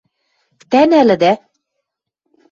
— Тӓ нӓлӹдӓ?